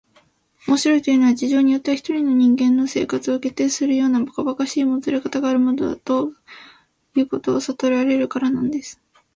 「面白いというのは、事情によっては一人の人間の生活を決定するようなばかばかしいもつれかたがあるものだ、ということをさとらせられるからなんです」